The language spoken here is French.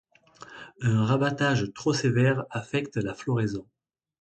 Un rabattage trop sévère affecte la floraison.